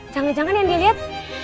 jangan jangan yang dia liat